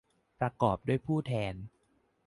ประกอบด้วยผู้แทน